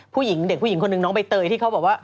ผู้หญิงเด็กผู้หญิงคนนึงน้องใบเตยที่เขาบอกว่า